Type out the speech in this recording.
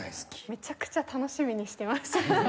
めちゃくちゃ楽しみにしてました。